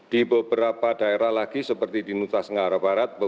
di beberapa daerah lagi seperti di nusa tenggara barat